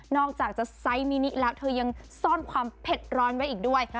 อกจากจะไซส์มินิแล้วเธอยังซ่อนความเผ็ดร้อนไว้อีกด้วย